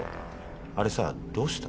あれさぁどうした？